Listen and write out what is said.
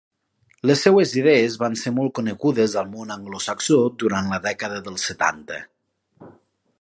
Les seves idees van ser molt conegudes al món anglosaxó durant la dècada dels setanta.